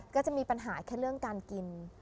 ก็จะมีปัญหาแค่เรื่องการกิน